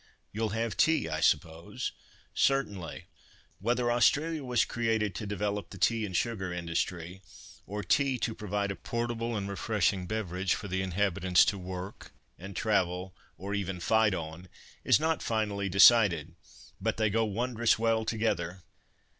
"You'll have tea, I suppose?" "Certainly. Whether Australia was created to develop the tea and sugar industry, or tea to provide a portable and refreshing beverage for the inhabitants to work, and travel, or even fight on, is not finally decided, but they go wondrous well together."